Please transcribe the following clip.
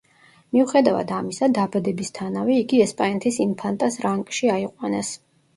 მიუხედავად ამისა, დაბადებისთანავე, იგი ესპანეთის ინფანტას რანკში აიყვანეს.